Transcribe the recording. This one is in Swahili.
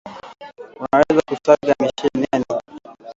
unaweza kuSaga mashineni